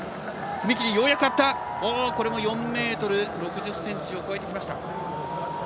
これも４ｍ６０ｃｍを超えてきました。